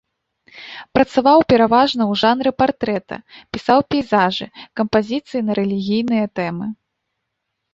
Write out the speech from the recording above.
Працаваў пераважна ў жанры партрэта, пісаў пейзажы, кампазіцыі на рэлігійныя тэмы.